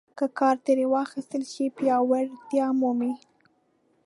که کار ترې واخیستل شي پیاوړتیا مومي.